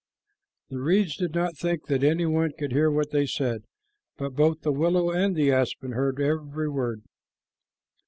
The reeds did not think that any one could hear what they said, but both the willow and the aspen heard every word.